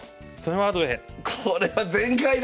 これは全開だ！